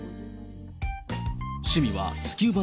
趣味は、スキューバー